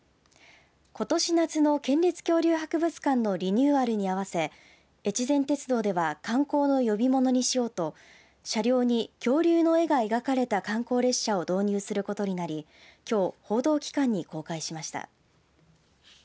ことし夏の県立恐竜博物館のリニューアルに合わせえちぜん鉄道では観光の呼び物にしようと車両に恐竜の絵が描かれた観光列車を導入することになりきょう報道機関に公開しました。